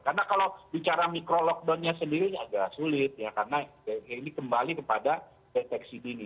karena kalau bicara mikro lockdownnya sendiri agak sulit ya karena ini kembali kepada deteksi dini